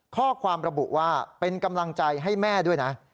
ข้อความระบุว่าเป็นกำลังใจให้แม่ด้วยนะ